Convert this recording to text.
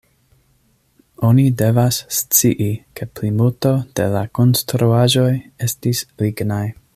Oni devas scii, ke plimulto de la konstruaĵoj estis lignaj.